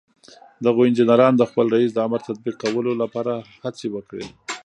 دغو انجنيرانو د خپل رئيس د امر تطبيقولو لپاره هڅې وکړې.